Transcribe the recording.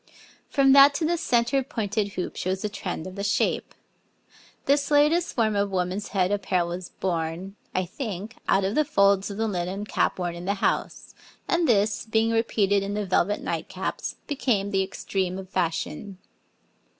From that to the centre pointed hoop shows the trend of the shape. This latest form of woman's head apparel was born, I think, out of the folds of the linen cap worn in the house, and this, being repeated in the velvet night caps, became the extreme of fashion.